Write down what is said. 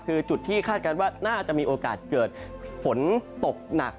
คือจุดที่คาดการณ์ว่าน่าจะมีโอกาสเกิดฝนตกหนัก